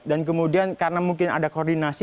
dan kemudian karena mungkin ada koordinasi